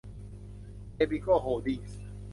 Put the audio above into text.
เอบิโก้ โฮลดิ้งส์